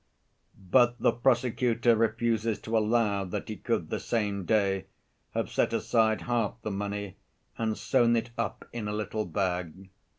"But the prosecutor refuses to allow that he could the same day have set aside half the money and sewn it up in a little bag.